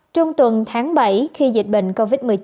trong tuần tháng bảy khi dịch bệnh covid một mươi chín